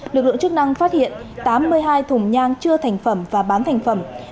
lực lượng chức năng phát hiện tám mươi hai thùng nhang chưa thành phẩm và bán thành phẩm